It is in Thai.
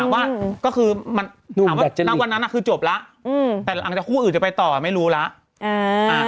แต่ถามว่าวันนั้นคือจบแล้วแต่หลังจากนั้นคู่อื่นจะไปต่อไม่รู้แล้ว